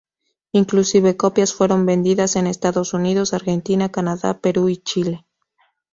Inclusive, copias fueron vendidas en Estados Unidos, Argentina, Canadá, Perú y Chile.